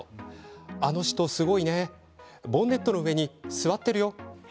あの人すごいねボンネットの上に座っているよ。